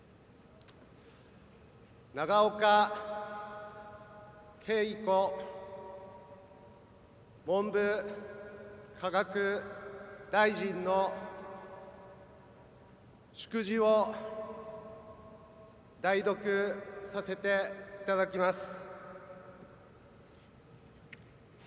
永岡桂子文部科学大臣の祝辞を代読させていただきます。